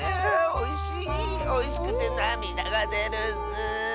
おいしくてなみだがでるッス！